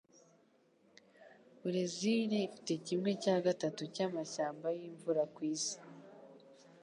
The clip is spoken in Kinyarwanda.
Burezili ifite kimwe cya gatatu cyamashyamba yimvura kwisi.